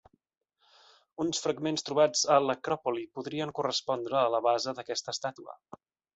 Uns fragments trobats a l'acròpoli podrien correspondre a la base d'aquesta estàtua.